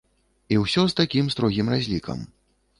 І ўсё з такім строгім разлікам.